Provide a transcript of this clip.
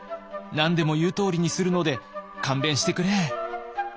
何でも言うとおりにするので勘弁してくれ」。